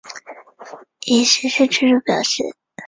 已实施住居表示。